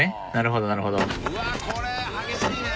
うわあこれ激しいね。